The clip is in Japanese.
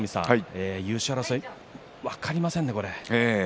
優勝争い、分かりませんね。